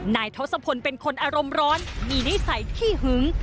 ทศพลเป็นคนอารมณ์ร้อนมีนิสัยขี้หึง